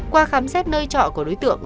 qua khám xét nơi chọ của đối tượng